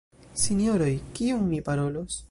Sinjoroj; kion mi parolos?